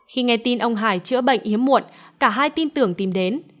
khi nghe tin ông hải chữa bệnh hiếm muộn cả hai tin tưởng tìm đến